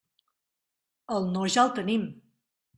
El no, ja el tenim.